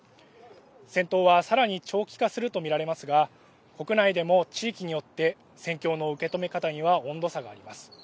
戦闘は、さらに長期化するとみられますが国内でも地域によって戦況の受け止め方には温度差があります。